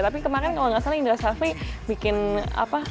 tapi kemarin kalau nggak salah indra shafri bikin apa